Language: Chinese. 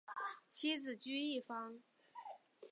妻子琚逸芳。